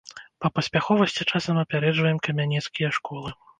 Па паспяховасці часам апярэджваем камянецкія школы.